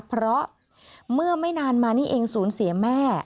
เพราะเมื่อไม่นานมานี่เองศูนย์เสียแม่